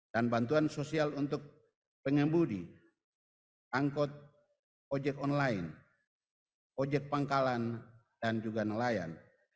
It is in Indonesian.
bantuan sosial untuk pengemudi angkut ojek online ojek pangkalan dan juga nelayan